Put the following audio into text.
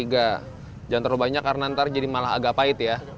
jangan terlalu banyak karena nanti jadi malah agak pahit ya